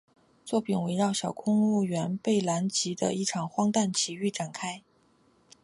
作品围绕小公务员贝兰吉的一场荒诞奇遇展开。